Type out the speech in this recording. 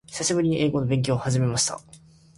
久しぶりに英語の勉強を始めました。